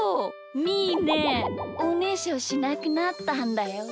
みーねおねしょしなくなったんだよ！